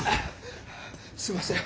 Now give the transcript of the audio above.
すいません。